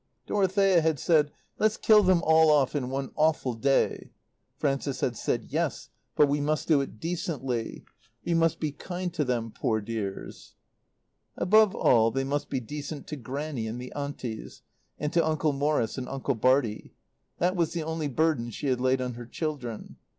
Dorothea had said: "Let's kill them all off in one awful day." Frances had said: "Yes, but we must do it decently. We must be kind to them, poor dears!" Above all they must be decent to Grannie and the Aunties, and to Uncle Morrie and Uncle Bartie. That was the only burden she had laid on her children.